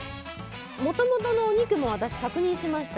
元々のお肉も私、確認しました。